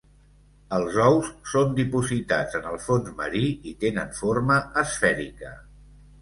Els ous són dipositats en el fons marí i tenen forma esfèrica.